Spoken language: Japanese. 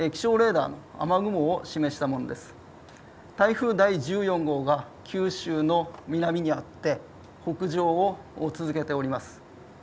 台風第１４号が九州の南にあって北上を続けております。